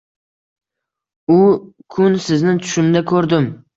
U kun sizni tushimda ko’rdim.